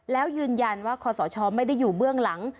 แล้วยืนยันว่าคอสชไม่ได้อยู่เบื้องหลัง